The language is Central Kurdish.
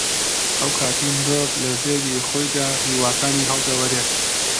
ئەو کاتەی مرۆڤ لە زێدی خۆیدا هیواکانی هەڵدەوەرێن